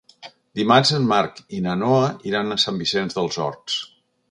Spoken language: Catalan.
Dimarts en Marc i na Noa iran a Sant Vicenç dels Horts.